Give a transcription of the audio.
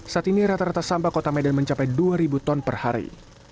saat ini rata rata sampah kota medan mencapai dua ribu ton per hari